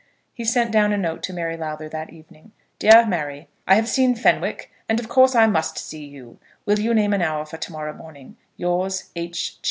He sent down a note to Mary Lowther that evening. DEAR MARY, I have seen Fenwick, and of course I must see you. Will you name an hour for to morrow morning? Yours, H.